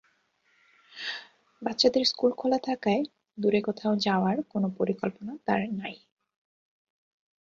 বাচ্চাদের স্কুল খোলা থাকায় দূরে কোথাও যাওয়ার কোনো পরিকল্পনা তার নাই।